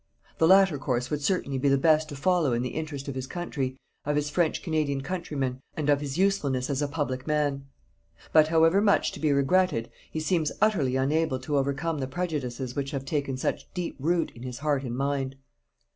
The latter course would certainly be the best to follow in the interest of his country, of his French Canadian countrymen, and of his usefulness as a public man. But, however much to be regretted, he seems utterly unable to overcome the prejudices which have taken such deep root in his heart and mind.